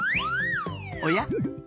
おや？